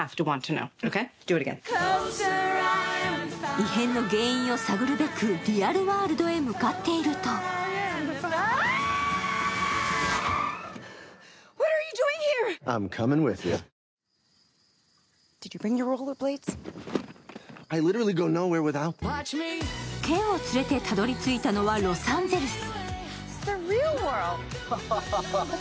異変の原因を探るべくリアルワールドへ向かっているとケンを連れてたどり着いたのはロサンゼルス。